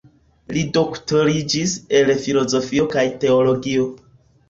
Li doktoriĝis el filozofio kaj teologio.